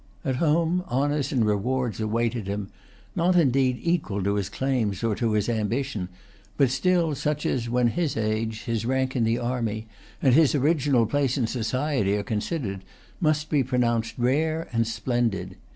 At home, honours and rewards awaited him, not indeed equal to his claims or to his ambition, but still such as, when his age, his rank in the army, and his original place in society are considered, must be pronounced rare and splendid.